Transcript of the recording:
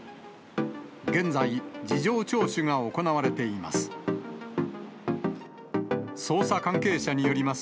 現在、事情聴取が行われています。